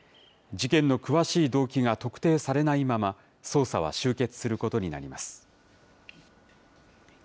事件の詳しい動機が特定されないまま、捜査は終結することになります。